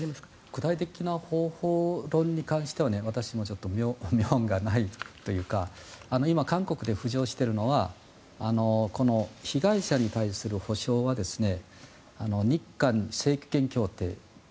具体的な方法論に関しては私も妙案がないというか今、韓国で浮上しているのは被害者に対する補償は日韓請求権協定